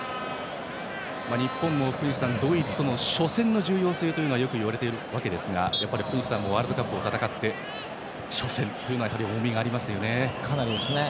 日本もドイツとの初戦の重要性がよく言われているわけですが福西さんもワールドカップを戦ってかなりですね。